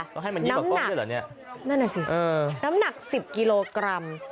ต้องให้มันยิ่งกว่าก้นด้วยเหรอเนี่ยนั่นน่ะสิเออน้ำหนักสิบกิโลกรัม